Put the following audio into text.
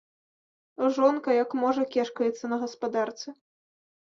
Жонка, як можа, кешкаецца на гаспадарцы.